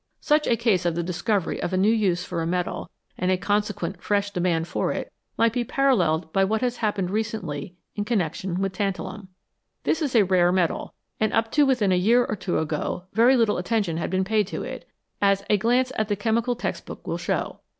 Such a case of the discovery of a new use for a metal, and a consequent fresh demand for it, might be paralleled by what has happened recently in connection with tantalum. This is a rare metal, and up to within a year or two ago very little attention had been paid to it, as a glance at any chemical text book will show.